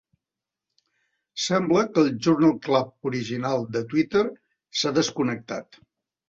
Sembla que el Journal Club original de Twitter s'ha desconnectat.